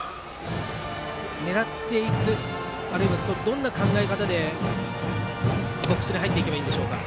狙っていくあるいは、どんな考え方でボックスに入っていけばいいんでしょうか？